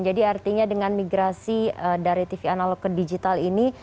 jadi artinya dengan migrasi dari tv analog ke digital ini